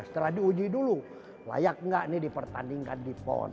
setelah diuji dulu layak nggak nih dipertandingkan di pon